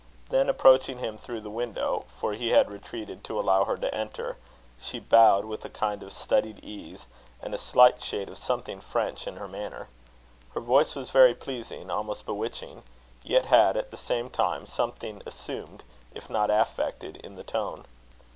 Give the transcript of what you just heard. Then approaching him through the window, for he had retreated to allow her to enter, she bowed with a kind of studied ease, and a slight shade of something French in her manner. Her voice was very pleasing, almost bewitching; yet had, at the same time, something assumed, if not affected, in the tone.